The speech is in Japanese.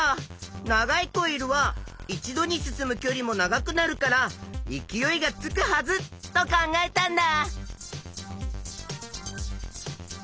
長いコイルは一度に進むきょりも長くなるから勢いがつくはずと考えたんだ！